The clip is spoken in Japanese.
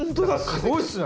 すごいですね。